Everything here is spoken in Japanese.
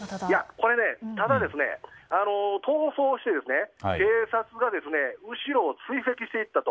ただ、逃走して警察が後ろを追跡していったと。